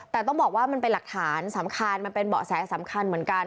แต่ต้องบอกว่ามันเป็นหลักฐานสำคัญมันเป็นเบาะแสสำคัญเหมือนกัน